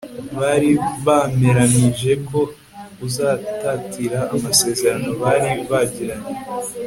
bari bameranije ko uzatatira amaserano bari bagiranye